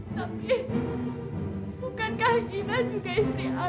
tapi bukankah inah juga istri kang